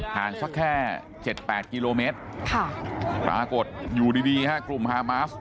สักแค่๗๘กิโลเมตรปรากฏอยู่ดีฮะกลุ่มฮามาส